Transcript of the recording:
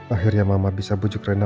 akhirnya mama bisa bujuk rena